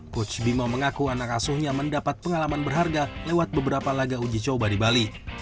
coach bima mengaku anak asuhnya mendapat pengalaman berharga lewat beberapa laga uji coba di bali